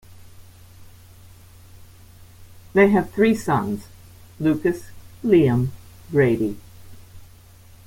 They have three sons: Lucas, Liam, Grady.